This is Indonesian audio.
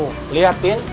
tuh lihat din